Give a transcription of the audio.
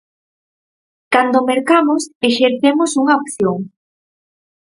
Cando mercamos exercemos unha opción.